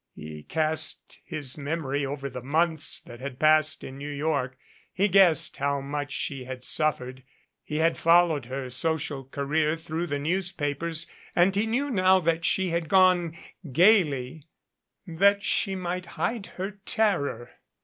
He cast his memory over the months that had passed in New York. He guessed how much she had suffered. He had followed her social career through the newspapers and he knew now that she had gone gaily that she might hide her ter ror.